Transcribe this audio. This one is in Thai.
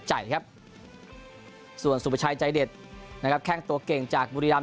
ใจครับส่วนสุประชัยใจเด็ดนะครับแข้งตัวเก่งจากบุรีรำ